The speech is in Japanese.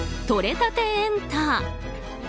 とれたてエンタ！